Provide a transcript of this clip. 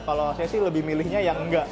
kalau saya sih lebih milihnya yang enggak